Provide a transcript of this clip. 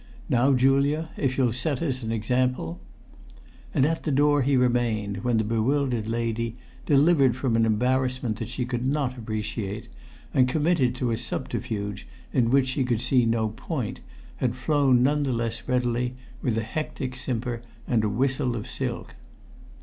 "Now, Julia, if you'll set us an example." And at the door he remained when the bewildered lady, delivered from an embarrassment that she could not appreciate, and committed to a subterfuge in which she could see no point, had flown none the less readily, with a hectic simper and a whistle of silk.